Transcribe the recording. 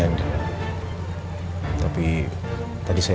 masih ada juga